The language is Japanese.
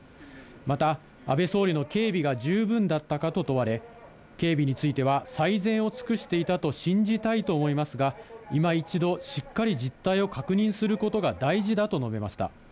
また、安倍総理の警備が十分だったかと問われ、警備については最善を尽くしていたと信じたいと思いますが、今一度しっかり実態を確認することが大事だと述べました。